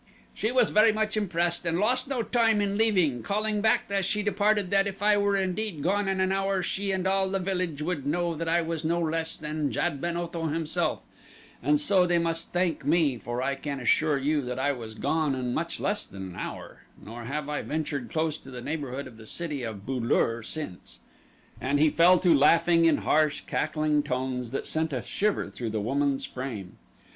"She was very much impressed and lost no time in leaving, calling back as she departed that if I were indeed gone in an hour she and all the village would know that I was no less than Jad ben Otho himself, and so they must think me, for I can assure you that I was gone in much less than an hour, nor have I ventured close to the neighborhood of the city of Bu lur since," and he fell to laughing in harsh, cackling notes that sent a shiver through the woman's frame.